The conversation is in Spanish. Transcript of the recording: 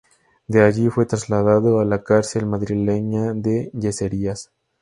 De allí fue trasladado a la cárcel madrileña de Yeserías.